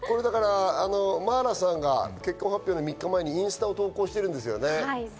茉愛羅さんが結婚発表の前にインスタを投稿しているんですね。